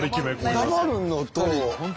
黙るのと。